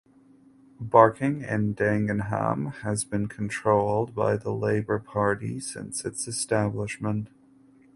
Barking and Dagenham has been controlled by the Labour Party since its establishment.